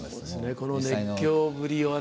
この熱狂ぶりをね。